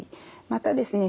またですね